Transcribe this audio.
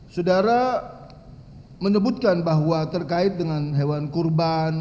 saudara menyebutkan bahwa terkait dengan hewan kurban